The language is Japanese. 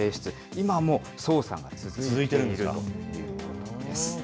今も捜査が続いているということです。